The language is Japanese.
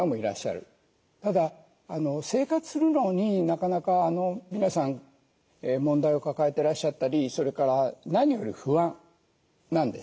ただ生活するのになかなか皆さん問題を抱えてらっしゃったりそれから何より不安なんです。